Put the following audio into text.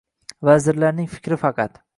Vazirlarning fikri faqat